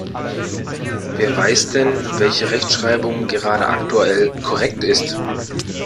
Wer weiß denn, welche Rechtschreibung gerade aktuell korrekt ist?